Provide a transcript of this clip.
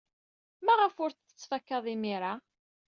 Maɣef ur t-tettfakaḍ imir-a?